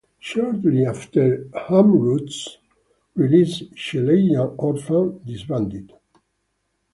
Shortly after "Humroot"'s release, Shelleyan Orphan disbanded.